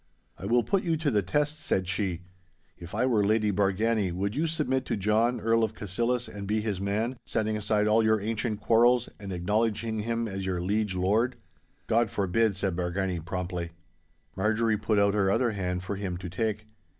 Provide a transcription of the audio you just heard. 'I will put you to the test,' said she; 'if I were Lady Bargany, would you submit to John, Earl of Cassillis, and be his man, setting aside all your ancient quarrels, and acknowledging him as your liege lord?' 'God forbid!' said Bargany, promptly. Marjorie put out her other hand for him to take.